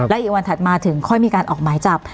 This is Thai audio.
และอีกวันถัดมาถึงค่อยมีการออกหมายจับ